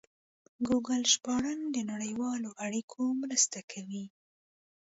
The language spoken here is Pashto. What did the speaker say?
ګوګل ژباړن د نړیوالو اړیکو مرسته کوي.